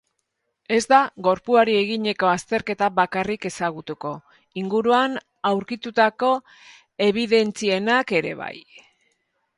Ez da gorpuari eginiko azterketa bakarrik ezagutuko, inguruan aurkitutako ebidentzienak ere bai.